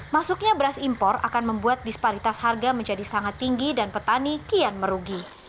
masuknya beras impor akan membuat disparitas harga menjadi sangat tinggi dan petani kian merugi